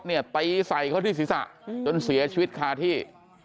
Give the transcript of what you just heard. ตีใส่เขาที่ศีรษะจนเสียชีวิตคาที่